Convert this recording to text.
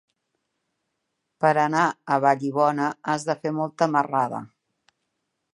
Per anar a Vallibona has de fer molta marrada.